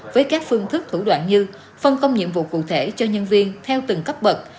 với các phương thức thủ đoạn như phân công nhiệm vụ cụ thể cho nhân viên theo từng cấp bậc